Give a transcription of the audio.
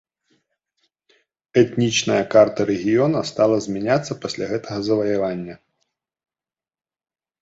Этнічная карта рэгіёна стала змяняцца пасля гэтага заваявання.